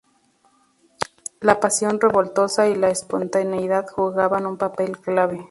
La pasión revoltosa y la espontaneidad jugaban un papel clave.